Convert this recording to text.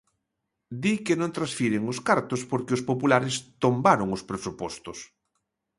Di que non transfiren os cartos porque os populares tombaron os presupostos.